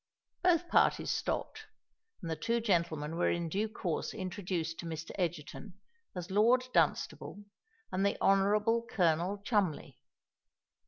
Both parties stopped; and the two gentlemen were in due course introduced to Mr. Egerton as Lord Dunstable and the Honourable Colonel Cholmondeley.